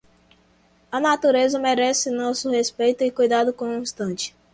A natureza merece nosso respeito e cuidado constante.